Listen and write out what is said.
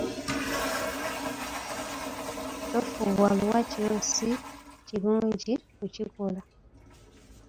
Tofuuwa luwa kiro, si kirungi kukikola.